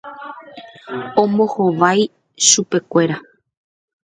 Ombohovái chupekuéra.